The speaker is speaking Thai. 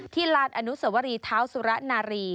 ลานอนุสวรีเท้าสุระนารี